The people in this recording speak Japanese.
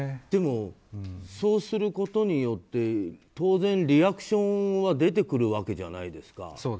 でも、そうすることによって当然、リアクションは出てくるわけじゃないですか。